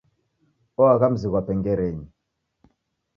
Oagha muzi ghwape Ngerenyi.